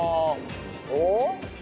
おっ？